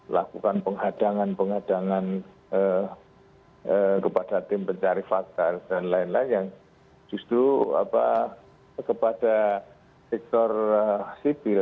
lakukan penghadangan pengadangan kepada tim pencari fakta dan lain lain yang justru kepada sektor sipil